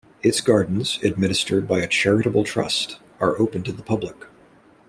Its gardens, administered by a charitable trust, are open to the public.